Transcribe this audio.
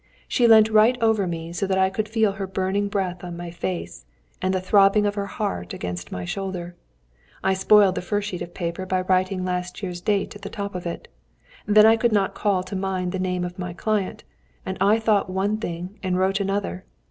She leant right over me so that I could feel her burning breath on my face, and the throbbing of her heart against my shoulder. I spoiled the first sheet of paper by writing last year's date at the top of it. Then I could not call to mind the name of my client, and I thought one thing and wrote another.